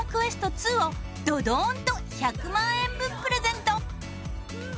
２をドドンと１００万円分プレゼント！